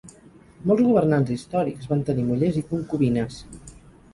Molts governants històrics van tenir mullers i concubines.